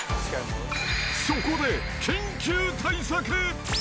そこで緊急対策。